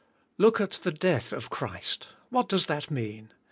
Look at the death of Christ. What does that mean?